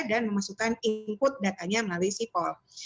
dan memasukkan input datanya melalui sipol